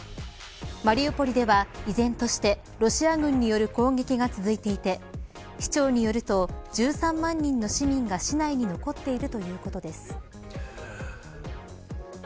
マリウポリでは依然としてロシア軍による攻撃が続いていて市長によると１３万人の市民が市内に残っているということです。